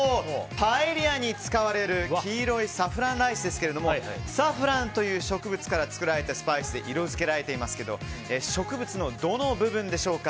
パエリアに使われる黄色いサフランライスですけどもサフランという植物から作られたスパイスで色づけられていますが植物のどの部分でしょうか？